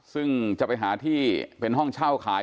ซึ่งจะไปหาที่เป็นห้องเช่าขาย